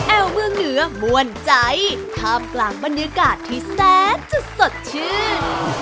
เมืองเหนือมวลใจท่ามกลางบรรยากาศที่แซนจะสดชื่น